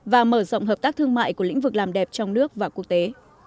và mở rộng hợp tác thương mại của lĩnh vực làm đẹp trong nước và quốc tế